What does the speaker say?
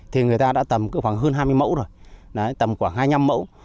thì người ta đã tầm cỡ khoảng hơn hai mươi mẫu rồi tầm khoảng hai mươi năm mẫu